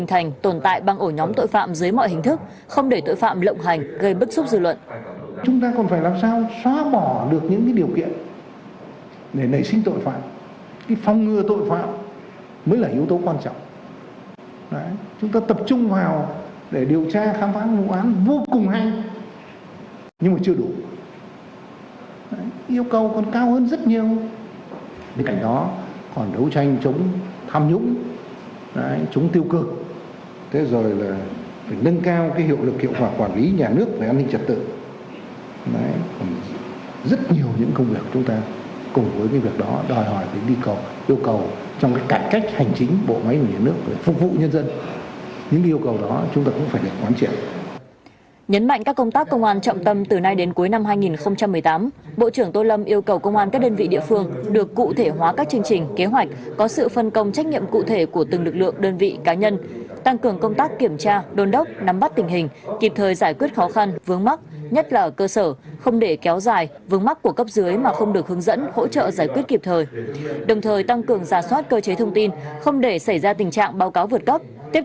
nhấn mạnh các công tác công an trọng tâm từ nay đến cuối năm hai nghìn một mươi tám bộ trưởng tô lâm yêu cầu công an các đơn vị địa phương được cụ thể hóa các chương trình kế hoạch có sự phân công trách nhiệm cụ thể của từng lực lượng đơn vị cá nhân tăng cường công tác kiểm tra đôn đốc nắm bắt tình hình kịp thời giải quyết khó khăn vướng mắc nhất là cơ sở không để kéo dài vướng mắc của cấp dưới mà không được hướng dẫn hỗ trợ giải quyết kịp thời đồng thời tăng cường ra soát cơ chế thông tin không để xảy ra tình trạng báo cáo vượt cấp tiếp t